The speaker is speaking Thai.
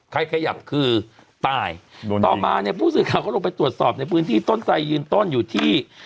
ขยับคือตายต่อมาเนี่ยผู้สื่อข่าวก็ลงไปตรวจสอบในพื้นที่ต้นไซยืนต้นอยู่ที่